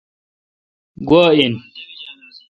گوا ان۔